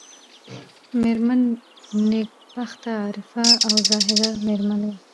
مېرمن نېکبخته عارفه او زاهده مېرمن وه.